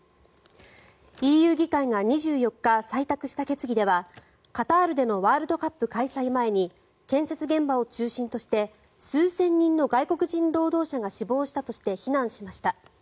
ＥＵ議会が２４日、採択した決議ではカタールでのワールドカップ開催前に建設現場を中心として数千人の外国人労働者が死亡したとして非難しました。